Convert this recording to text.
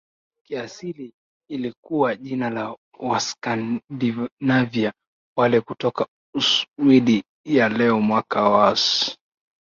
kiasili ilikuwa jina la Waskandinavia wale kutoka Uswidi ya leo Mwaka was